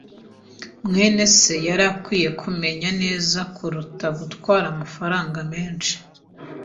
mwene se yari akwiye kumenya neza kuruta gutwara amafaranga menshi.